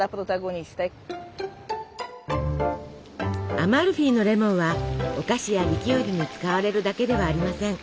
アマルフィのレモンはお菓子やリキュールに使われるだけではありません。